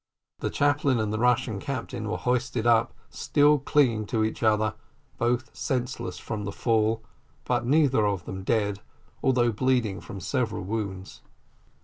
The chaplain and the Russian captain were hoisted up, still clinging to each other, both senseless from the fall, but neither of them dead; although bleeding from several wounds.